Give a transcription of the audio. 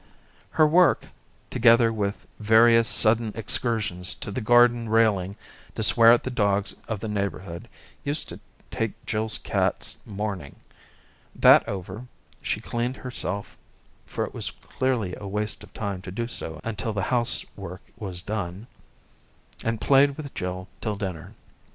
Her work, together with various sudden excursions to the garden'railing to swear at the dogs of the neighbourhood, used to take Jill's cat's morning ; that over, she cleaned her* self, for it was clearly a waste of time to do so until the house' work was done, and played with Jill till dinner.